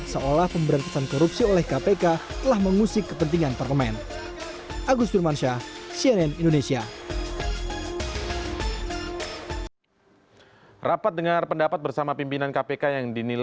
seolah pemberantasan korupsi oleh kpk telah mengusik kepentingan parlemen